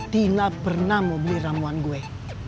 tina pernah mau beli ramuan gue